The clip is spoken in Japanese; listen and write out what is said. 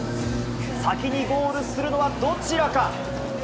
先にゴールするのはどちらか？